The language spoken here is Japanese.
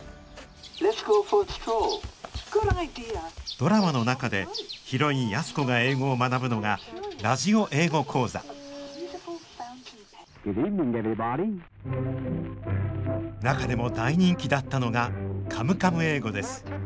ドラマの中でヒロイン安子が英語を学ぶのがラジオ英語講座中でも大人気だったのが「カムカム英語」です。